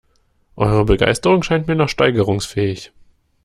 Eure Begeisterung scheint mir noch steigerungsfähig.